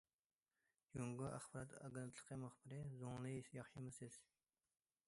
جۇڭگو ئاخبارات ئاگېنتلىقى مۇخبىرى: زۇڭلى ياخشىمۇ سىز.